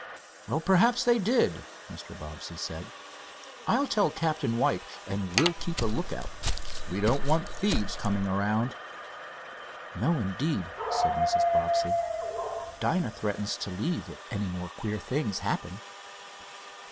"Well, perhaps they did," Mr. Bobbsey, said. "I'll tell Captain White, and we'll keep a lookout. We don't want thieves coming around." "No, indeed," said Mrs. Bobbsey. "Dinah threatens to leave, if any more queer things happen."